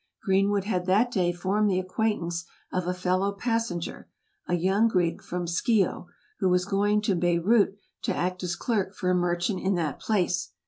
Greenwood had that day formed the acquaintance of a fellow passenger, a young Greek from Scio, who was going to Beyrout to act as clerk for a merchant in that place.